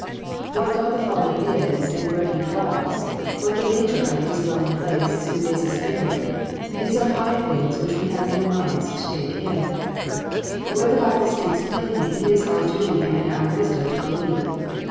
What God the Father is, and where He dwells, what the nature of His dwelling place who is a Spirit, these are high things which we have no minds to take in. But where the "Bible speaks plainly it is our duty and our wisdom to believe.